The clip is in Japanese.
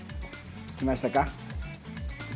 来ましたか？